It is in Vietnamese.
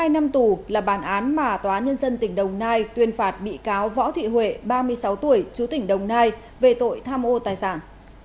một mươi năm tù là bản án mà tòa nhân dân tỉnh đồng nai tuyên phạt bị cáo võ thị huệ ba mươi sáu tuổi chú tỉnh đồng nai về tội tham ô tài sản